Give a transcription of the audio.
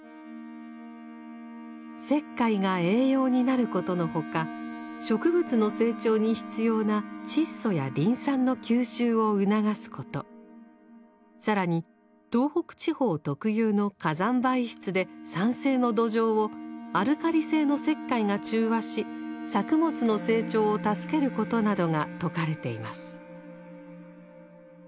石灰が栄養になることの他植物の成長に必要な窒素やリン酸の吸収を促すこと更に東北地方特有の火山灰質で酸性の土壌をアルカリ性の石灰が中和し作物の成長を助けることなどが説かれています。